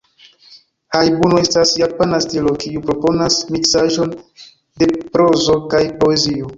Hajbuno estas japana stilo kiu proponas miksaĵon de prozo kaj poezio.